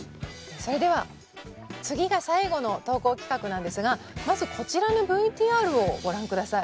それでは次が最後の投稿企画なんですがまずこちらのＶＴＲをご覧下さい。